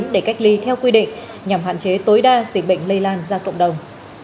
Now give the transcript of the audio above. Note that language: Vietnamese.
để cách ly theo quy định nhằm hạn chế tối đa dịch bệnh lây lan ra cộng đồng